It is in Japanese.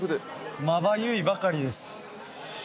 まばゆいばかりです